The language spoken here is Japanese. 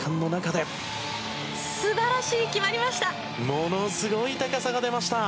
ものすごい高さが出ました。